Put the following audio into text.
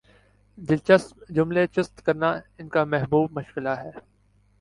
دلچسپ جملے چست کرنا ان کامحبوب مشغلہ ہے